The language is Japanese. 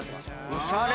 おしゃれ！